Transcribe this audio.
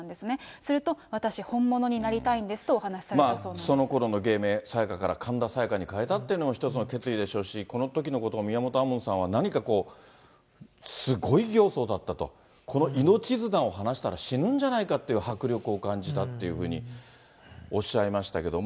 すると私本物になりたいんですと、そのころの芸名、サヤカから神田沙也加に変えたというのも、一つの決意でしょうし、このときのことを宮本亜門さんは何かこう、すごい形相だったと、この命綱を放したら死ぬんじゃないかっていう迫力を感じたっていうふうにおっしゃいましたけども。